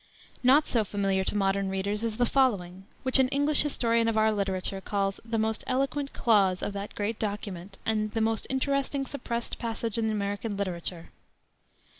Not so familiar to modern readers is the following, which an English historian of our literature calls "the most eloquent clause of that great document," and "the most interesting suppressed passage in American literature."